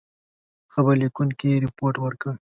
خبر لیکونکي رپوټ ورکړ.